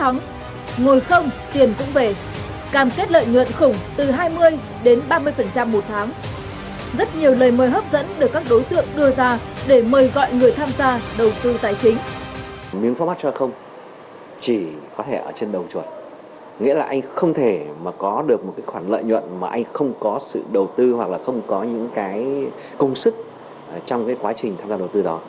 nghĩa là anh không thể mà có được một khoản lợi nhuận mà anh không có sự đầu tư hoặc là không có những công sức trong quá trình tham gia đầu tư đó